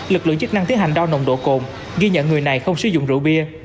lực lượng chức năng tiến hành đo nồng độ cồn ghi nhận người này không sử dụng rượu bia